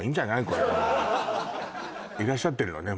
これいらっしゃってるのね